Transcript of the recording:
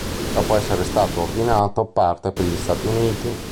Dopo essere stato ordinato, parte per gli Stati Uniti.